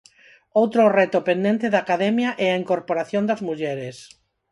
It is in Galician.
Outro reto pendente da Academia é a incorporación das mulleres.